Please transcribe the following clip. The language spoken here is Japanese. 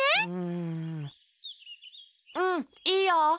うんうんいいよ！